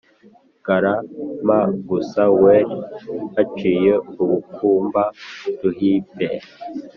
gara m a n gus were/ hacike ubuku mba/ duhinpe